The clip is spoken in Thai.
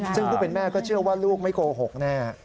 ซึ่งผู้เป็นแม่ก็เชื่อว่าลูกไม่โกหกแน่